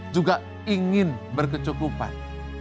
juga ingin berkecukupan